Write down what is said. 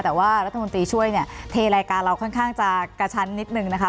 แต่ว่ารัฐมนตรีช่วยเนี่ยเทรายการเราค่อนข้างจะกระชั้นนิดนึงนะคะ